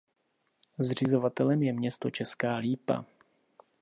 Zřizovatelem je město Česká Lípa.